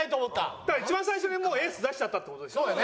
だから一番最初にもうエース出しちゃったって事ですよね。